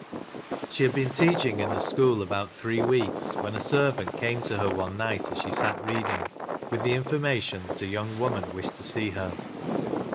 She had bsen teaching in the school about three weeks, when a servant came to her one night as she sat reading, with the information that a young woman wished to see her.